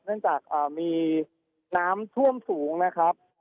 เนื่องจากมีน้ำท่วมสูงนะครับ